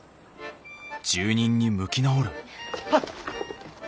あっ！